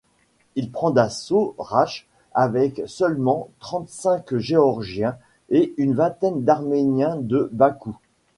Il prend d'assaut Racht avec seulement trente-cinq Géorgiens et une vingtaine d'Arméniens de Bakou.